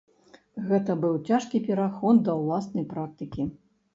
Гэта быў цяжкі пераход да ўласнай практыкі.